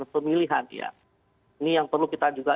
pemilihan ya ini yang perlu kita juga